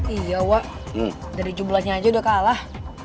iya wak dari jumlahnya aja udah kalah